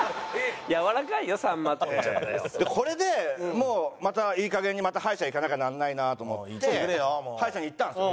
これでもうまたいいかげんにまた歯医者行かなきゃなんないなと思って歯医者に行ったんですよ。